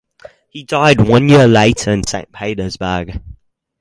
He died one year later in Saint Petersburg.